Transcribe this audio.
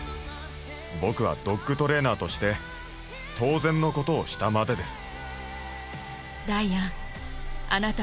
僕はドッグトレーナーとして当然のことをしたまでです